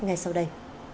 ngay sau đây